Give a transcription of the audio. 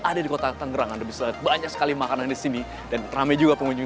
ada di kota tangerang bisa banyak sekali makanan di sini dan ramai juga pengunjung